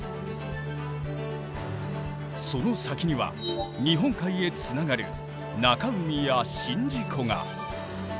その先には日本海へつながる中海や宍道湖が。